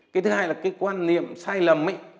cái thứ hai là cái quan niệm sai lầm ấy